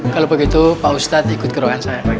kalau begitu pak ustadz ikut kerohan saya